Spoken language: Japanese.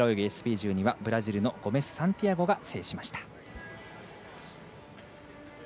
１２はブラジルのゴメスサンティアゴが制しました。